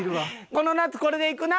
この夏これでいくな？